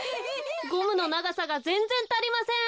ゴムのながさがぜんぜんたりません。